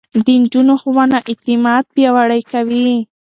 د نجونو ښوونه اعتماد پياوړی کوي.